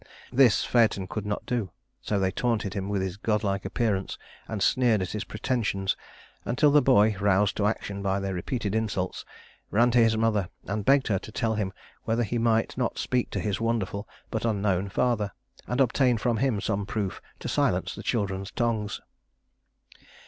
This Phaëton could not do; so they taunted him with his godlike appearance, and sneered at his pretensions until the boy, roused to action by their repeated insults, ran to his mother, and begged her to tell him whether he might not speak to his wonderful, but unknown father, and obtain from him some proof to silence the children's tongues.